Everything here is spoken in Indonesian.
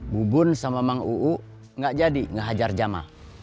bubun sama mang uu nggak jadi ngehajar jamal